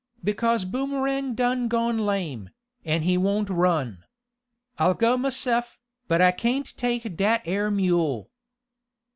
"Because Boomerang done gone lame, an' he won't run. I'll go mahse'f, but I cain't take dat air mule."